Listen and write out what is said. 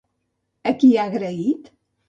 A qui ha agraït?